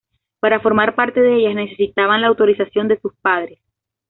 Para formar parte de ellas necesitaban la autorización de sus padres.